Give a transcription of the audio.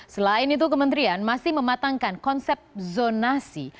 selain itu kementerian masih mematangkan konsep zonasi